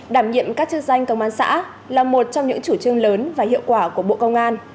đảm nhiệm các chức danh công an xã là một trong những chủ trương lớn và hiệu quả của bộ công an